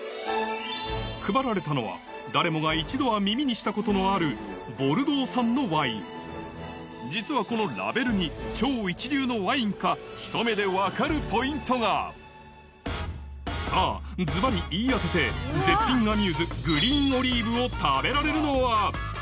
配られたのは誰もが一度は耳にしたことのあるのワイン実はこのラベルに超一流のワインかひと目でわかるポイントがさぁズバリ言い当てて絶品アミューズを食べられるのは？